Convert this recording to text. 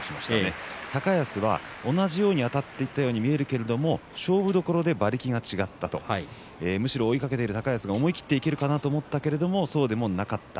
高安は同じようにあたっていったように見えるけれども勝負どころで馬力が違ったむしろ追いかけている高安が思い切っていけるかなと思ったがそうでもなかった。